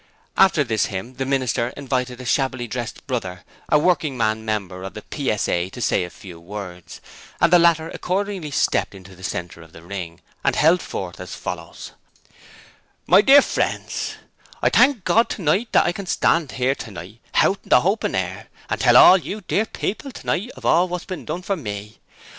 After this hymn the 'minister' invited a shabbily dressed 'brother' a working man member of the PSA, to say a 'few words', and the latter accordingly stepped into the centre of the ring and held forth as follows: 'My dear frens, I thank Gord tonight that I can stand 'ere tonight, hout in the hopen hair and tell hall you dear people tonight of hall wot's been done for ME.